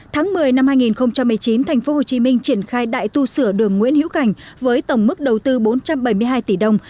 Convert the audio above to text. tháng một mươi năm hai nghìn một mươi chín tp hcm triển khai đại tu sửa đường nguyễn hữu cảnh với tổng mức đầu tư bốn trăm bảy mươi hai tỷ đồng